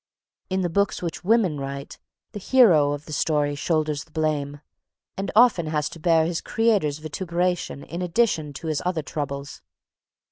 In the books which women write, the hero of the story shoulders the blame, and often has to bear his creator's vituperation in addition to his other troubles.